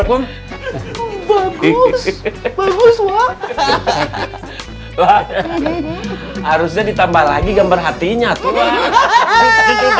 bagus bagus wah harusnya ditambah lagi gambar hatinya tuhan hahaha